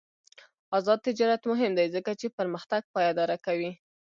آزاد تجارت مهم دی ځکه چې پرمختګ پایداره کوي.